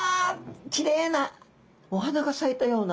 きれいなお花が咲いたような。